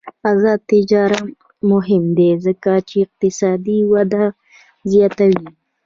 آزاد تجارت مهم دی ځکه چې اقتصادي وده زیاتوي.